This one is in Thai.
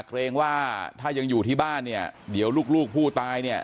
ที่เกิดเกิดเหตุอยู่หมู่๖บ้านน้ำผู้ตะมนต์ทุ่งโพนะครับที่เกิดเกิดเหตุอยู่หมู่๖บ้านน้ำผู้ตะมนต์ทุ่งโพนะครับ